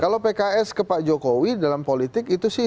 kalau pks ke pak jokowi dalam politik itu sih